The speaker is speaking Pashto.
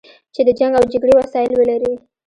چې د جنګ او جګړې وسایل ولري.